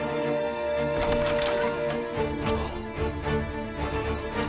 ・あっ。